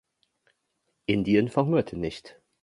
Indien verhungerte nicht.